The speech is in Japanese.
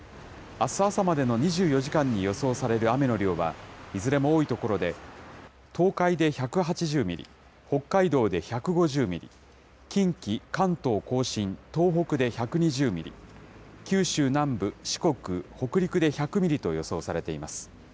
あす朝までの２４時間に予想される雨の量は、いずれも多い所で、東海で１８０ミリ、北海道で１５０ミリ、近畿、関東甲信、東北で１２０ミリ、九州南部、四国、北陸で１００ミリと予想されています。